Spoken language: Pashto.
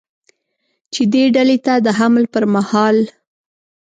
چې دې ډلې ته د حملې پرمهال ل